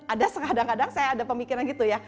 ada kadang kadang saya ada pemikiran gitu ya